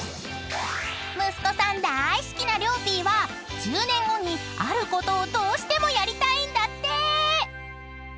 ［息子さん大好きなりょうぴぃは１０年後にあることをどうしてもやりたいんだって］